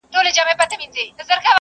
وایې به سندري سپوږمۍ ستوري به نڅا کوي..